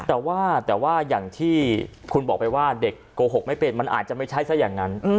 แต่ว่าแต่ว่าอย่างที่คุณบอกไปว่าเด็กโกหกไม่เป็นมันอาจจะไม่ใช่ซะอย่างนั้น